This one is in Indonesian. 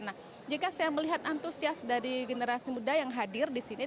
nah jika saya melihat antusias dari generasi muda yang hadir di sini